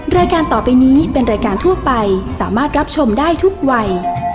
รายการต่อไปนี้เป็นรายการทั่วไปสามารถรับชมได้ทุกวัย